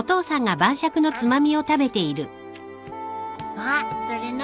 あっそれ何？